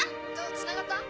つながった？